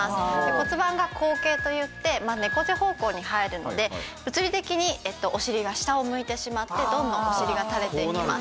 骨盤が後傾といって猫背方向に入るので物理的にお尻が下を向いてしまってどんどんお尻が垂れていきます。